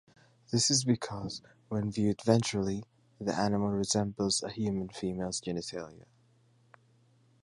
This is because, when viewed ventrally, the animal resembles a human female's genitalia.